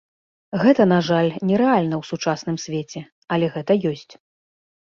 Гэта, на жаль, не рэальна ў сучасным свеце, але гэта ёсць.